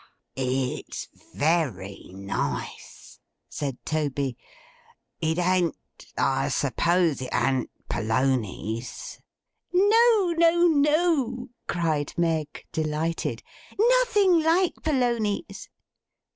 'Ah! It's very nice,' said Toby. 'It an't—I suppose it an't Polonies?' 'No, no, no!' cried Meg, delighted. 'Nothing like Polonies!